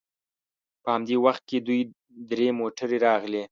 په همدې وخت کې دوې درې موټرې راغلې.